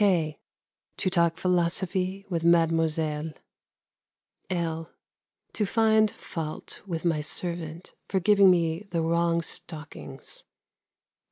(k) To talk philosophy with Mademoiselle. (l) To find fault with my servant for giving me the wrong stockings.